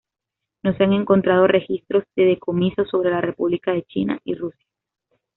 No se han encontrado registros de decomiso sobre la República de China y Rusia.